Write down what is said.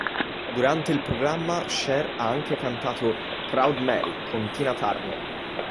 Durante il programma Cher ha anche cantato "Proud Mary" con Tina Turner.